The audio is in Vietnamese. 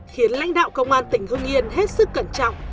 khiến lãnh đạo công an tỉnh hưng yên hết sức cẩn trọng